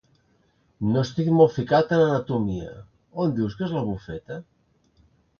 No estic molt ficat en anatomia; on dius que és la bufeta?